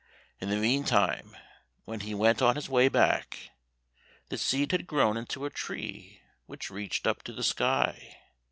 In the meantime, when he went on his way back, the seed had grown into a tree which reached up to the sky.